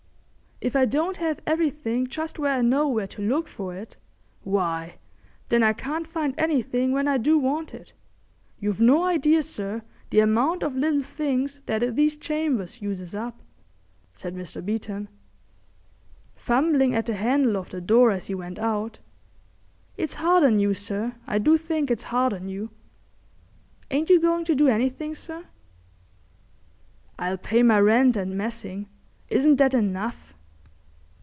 "If I don't have everything just where I know where to look for it, why, then, I can't find anything when I do want it. You've no idea, sir, the amount of little things that these chambers uses up," said Mr. Beeton. Fumbling at the handle of the door as he went out: "It's hard on you, sir, I do think it's hard on you. Ain't you going to do anything, sir?" "I'll pay my rent and messing. Isn't that enough?"